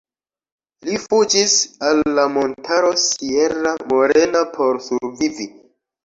Li fuĝis al la montaro Sierra Morena por survivi.